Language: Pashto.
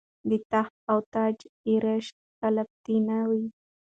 د تخت او تاج آرایش تلپاتې نه وي.